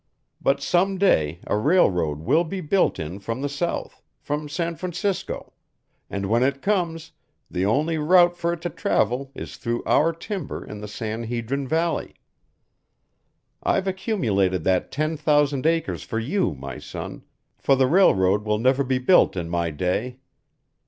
But some day a railroad will be built in from the south from San Francisco; and when it comes, the only route for it to travel is through our timber in the San Hedrin Valley. I've accumulated that ten thousand acres for you, my son, for the railroad will never be built in my day.